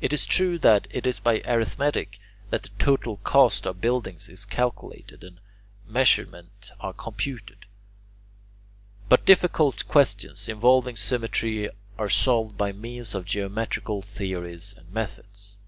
It is true that it is by arithmetic that the total cost of buildings is calculated and measurements are computed, but difficult questions involving symmetry are solved by means of geometrical theories and methods.